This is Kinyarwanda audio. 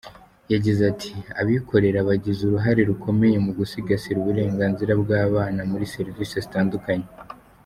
Yagize ati “Abikorera bagira uruhare rukomeye mu gusigasira uburenganzira bw’abana muri serivisi zitandukanye.